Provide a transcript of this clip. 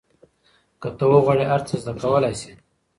که ته وغواړې هر څه زده کولای سې.